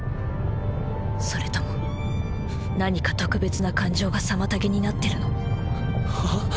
それとも何か特別な感情が妨げになってるの？